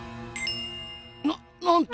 ななんと！